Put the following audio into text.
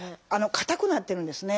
硬くなってるんですね。